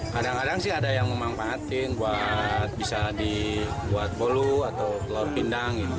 kadang kadang sih ada yang memanfaatkan buat bisa dibuat bolu atau telur pindang